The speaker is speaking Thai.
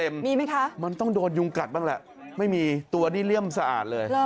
มีไหมคะมันต้องโดนยุงกัดบ้างแหละไม่มีตัวนี่เลี่ยมสะอาดเลย